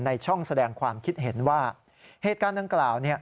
ในช่องแสดงความคิดเห็นว่าเหตุการณ์ดังกล่าว